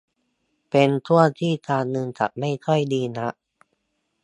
เป็นช่วงที่การเงินจะไม่ค่อยดีนัก